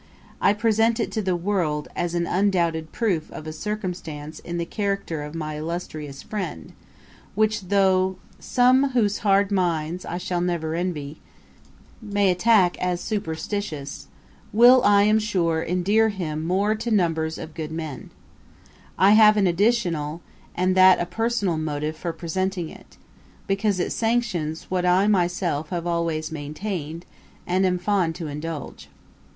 I present it to the world as an undoubted proof of a circumstance in the character of my illustrious friend, which though some whose hard minds I never shall envy, may attack as superstitious, will I am sure endear him more to numbers of good men. I have an additional, and that a personal motive for presenting it, because it sanctions what I myself have always maintained and am fond to indulge.